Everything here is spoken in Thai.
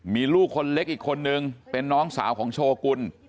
มีลูกคนเล็กอีกคนนึงเป็นน้องสาวของโชกุล